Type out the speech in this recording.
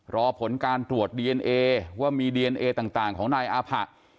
รอผลการตรวจดีเอนเอว่ามีดีเอนเอต่างของนายอาผะ